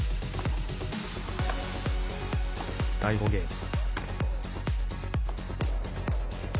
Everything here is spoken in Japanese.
第５ゲーム。